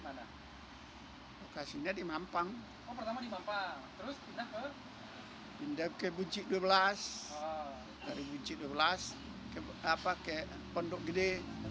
pindah ke buncik dua belas dari buncik dua belas ke pondok gede